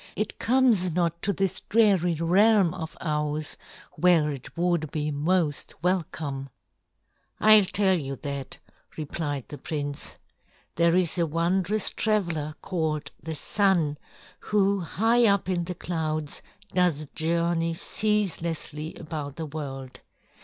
It comes not to this dreary realm of ours, where it would be most welcome." "I'll tell you that," replied the prince. "There is a wondrous traveler called the Sun who high up in the clouds does journey ceaselessly about the world.